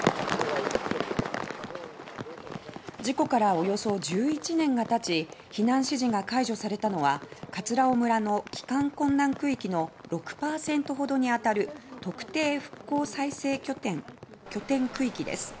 事故から、およそ１１年がたち避難指示が解除されたのは葛尾村の帰還困難区域の６％ほどに当たる特定復興再生拠点区域です。